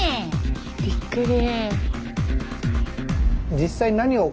びっくり！